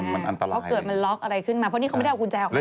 มันอันตรายเลย